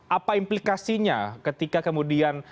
apa implikasinya ketika kemudian